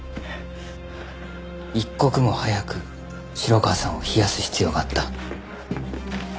一刻も早く城川さんを冷やす必要があった。